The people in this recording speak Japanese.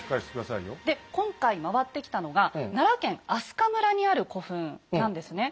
で今回回ってきたのが奈良県明日香村にある古墳なんですね。